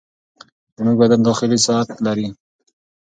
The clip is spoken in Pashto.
زموږ بدن داخلي ساعت لري.